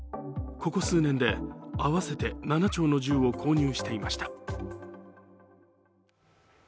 ここ数年で合わせて７丁の銃を購入していました。